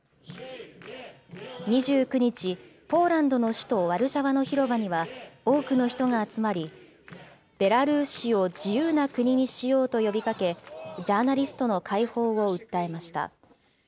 ２９日、ポーランドの首都ワルシャワの広場には多くの人が集まり、ベラルーシを自由な国にしようと呼びかけ、ジャーナリストの解放を訴えました。